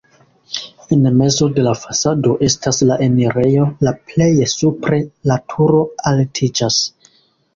En mezo de la fasado estas la enirejo, la plej supre la turo altiĝas.